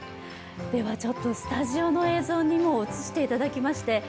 スタジオの映像にも映していただきまして